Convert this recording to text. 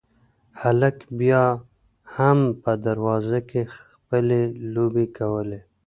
هلک بیا هم په دروازه کې خپلې لوبې کولې.